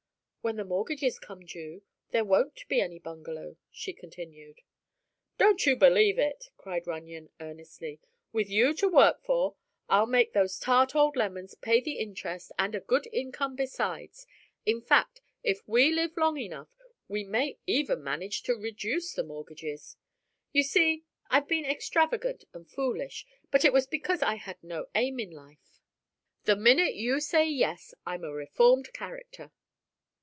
"When the mortgages come due, there won't be any bungalow," she continued. "Don't you believe it," cried Runyon, earnestly. "With you to work for, I'll make those tart old lemons pay the interest and a good income besides. In fact, if we live long enough, we may even manage to reduce the mortgages. You see, I've been extravagant and foolish, but it was because I had no aim in life. The minute you say 'yes,' I'm a reformed character."